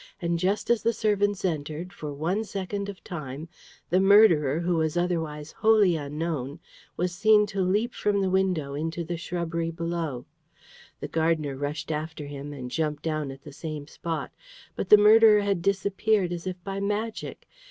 And just as the servants entered, for one second of time, the murderer who was otherwise wholly unknown, was seen to leap from the window into the shrubbery below. The gardener rushed after him, and jumped down at the same spot. But the murderer had disappeared as if by magic.